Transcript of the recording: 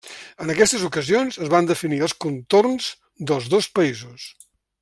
En aquestes ocasions, es van definir els contorns dels dos països.